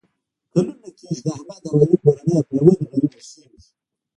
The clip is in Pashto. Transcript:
کلونه کېږي چې د احمد او علي کورنۍ په یوه نغري اوسېږي.